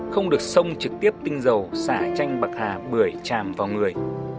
không được sông trực tiếp tinh dầu xả chanh bạc hà bưởi chàm vào người